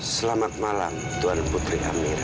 selamat malam tuan putri amira